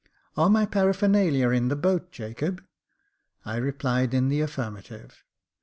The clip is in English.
Are my paraphernalia in the boat, Jacob ?" I replied in the affirmative.